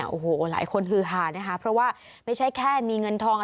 โอ้โหหลายคนฮือหานะคะเพราะว่าไม่ใช่แค่มีเงินทอง